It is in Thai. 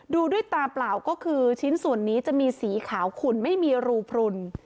ดูด้วยตาเปล่าก็คือชิ้นส่วนนี้จะมีสีขาวขุ่นไม่มีรูพลุน